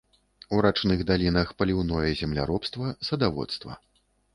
У рачных далінах паліўное земляробства, садаводства.